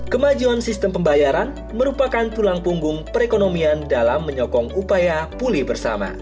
kemajuan sistem pembayaran merupakan tulang punggung perekonomian dalam menyokong upaya pulih bersama